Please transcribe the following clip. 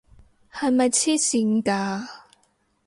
係咪癡線㗎？